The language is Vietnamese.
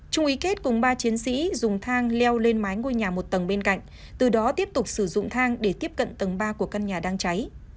trung ý kết cùng ba chiến sĩ dùng thang leo lên mái ngôi nhà một tầng bên cạnh từ đó tiếp tục sử dụng thang để tiếp cận tầng ba của căn nhà đang cháy